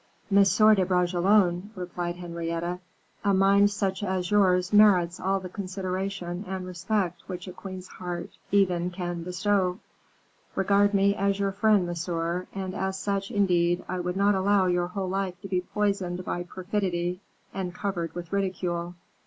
"Monsieur de Bragelonne," replied Henrietta, "a mind such as your merits all the consideration and respect which a queen's heart even can bestow. Regard me as your friend, monsieur; and as such, indeed, I would not allow your whole life to be poisoned by perfidy, and covered with ridicule.